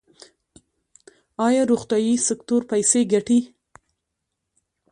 آیا روغتیايي سکتور پیسې ګټي؟